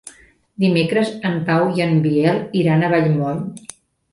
Dimecres en Pau i en Biel iran a Vallmoll.